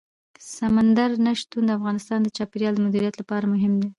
سمندر نه شتون د افغانستان د چاپیریال د مدیریت لپاره مهم دي.